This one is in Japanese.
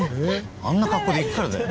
「あんな格好で行くからだよ」